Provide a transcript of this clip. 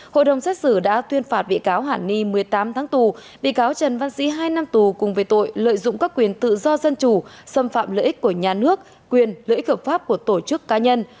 trước đó vào ngày một tháng ba tòa án nhân dân tp hcm đã tuyên phạt bị cáo hàn ni một mươi tám tháng tù bị cáo trần văn sĩ hai năm tù cùng về tội lợi dụng các quyền tự do dân chủ xâm phạm lợi ích của nhà nước quyền lợi ích hợp pháp của tổ chức cá nhân